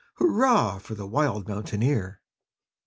Hurrah, for the wild mountaineer!